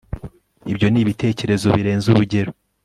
Ibyo ni ibitekerezo birenze urugero